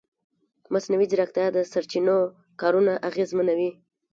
مصنوعي ځیرکتیا د سرچینو کارونه اغېزمنوي.